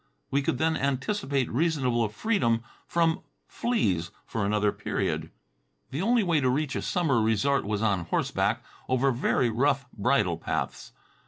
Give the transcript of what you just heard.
We could then anticipate reasonable freedom from fleas for another period. The only way to reach a summer resort was on horseback, over very rough bridle paths.